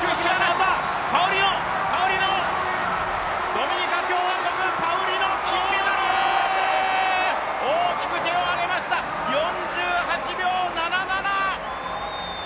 ドミニカ共和国のパウリノ、金メダル！大きく手を上げました、４８秒７７！